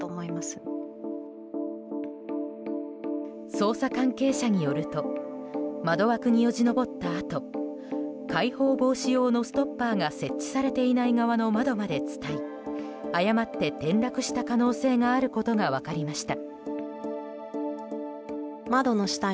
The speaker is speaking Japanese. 捜査関係者によると窓枠によじ登ったあと開放防止用のストッパーが設置されていない側の窓まで伝い誤って転落した可能性があることが分かりました。